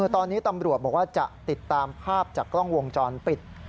ตอนนี้ตำรวจบอกว่าจะติดตามภาพจากกล้องวงจรปิด